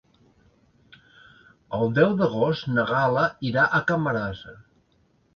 El deu d'agost na Gal·la irà a Camarasa.